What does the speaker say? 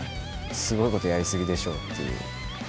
すごいことやり過ぎでしょっていう。